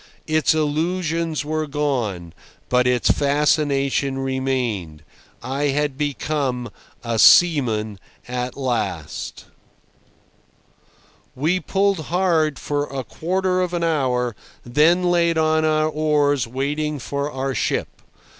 Its illusions were gone, but its fascination remained. I had become a seaman at last. We pulled hard for a quarter of an hour, then laid on our oars waiting for our ship.